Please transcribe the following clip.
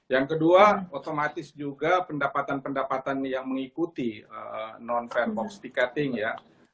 yang kedua otomatis juga pendapatan pendapatan yang mengikuti non fan box ticketing ya